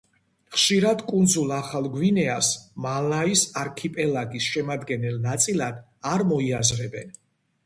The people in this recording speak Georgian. ხშირად, კუნძულ ახალ გვინეას მალაის არქიპელაგის შემადგენელ ნაწილად არ მოიაზრებენ.